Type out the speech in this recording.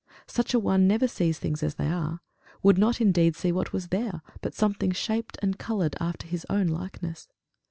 Such a one never sees things as they are would not indeed see what was there, but something shaped and coloured after his own likeness.